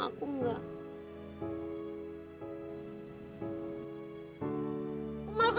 kamu yang menerima